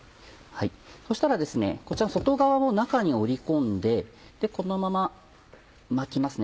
そしたらこちらの外側を中に折り込んでこのまま巻きますね